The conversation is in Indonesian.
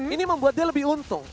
ini membuat dia lebih untung